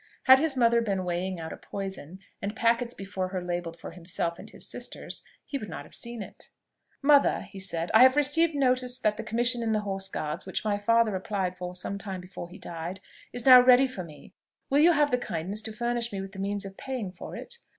Had his mother been weighing out a poison, and packets before her labelled for himself and his sisters, he would not have seen it. "Mother," he said, "I have received notice that the commission in the Horse Guards which my father applied for some time before he died is now ready for me. Will you have the kindness to furnish me with the means of paying for it?